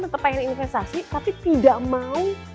tetap ingin investasi tapi tidak mau